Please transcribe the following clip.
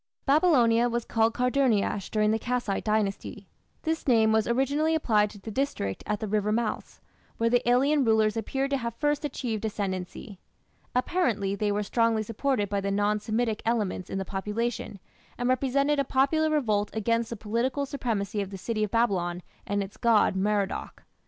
Babylonia was called Karduniash during the Kassite Dynasty. This name was originally applied to the district at the river mouths, where the alien rulers appear to have first achieved ascendancy. Apparently they were strongly supported by the non Semitic elements in the population, and represented a popular revolt against the political supremacy of the city of Babylon and its god Merodach.